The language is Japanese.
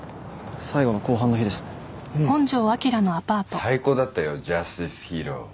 最高だったよ『ジャスティスヒーロー』